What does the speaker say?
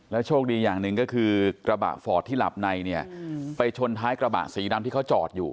โชคดีอย่างหนึ่งก็คือกระบะฟอร์ดที่หลับในเนี่ยไปชนท้ายกระบะสีดำที่เขาจอดอยู่